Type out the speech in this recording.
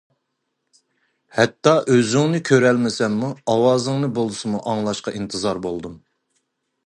ھەتتا ئۆزۈڭنى كۆرەلمىسەممۇ ئاۋازىڭنى بولسىمۇ ئاڭلاشقا ئىنتىزار بولدۇم.